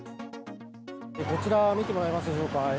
こちらを見てもらえますでしょうか。